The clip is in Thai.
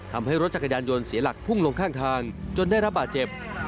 ทำให้รถจักรยานยนต์เสียหลักพุ่งลงข้างทางจนได้รับบาดเจ็บ